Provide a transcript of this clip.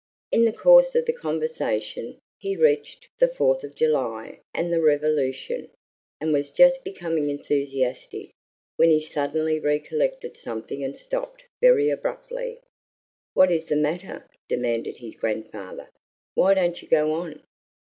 In the course of the conversation, he reached the Fourth of July and the Revolution, and was just becoming enthusiastic, when he suddenly recollected something and stopped very abruptly. "What is the matter?" demanded his grandfather. "Why don't you go on?"